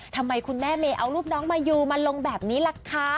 ทำไมคุณแม่เมย์เอารูปน้องมายูมาลงแบบนี้ล่ะคะ